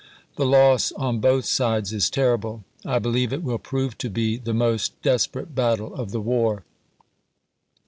The loss on both sides is terrible. I believe it will prove to be the most des perate battle of the war.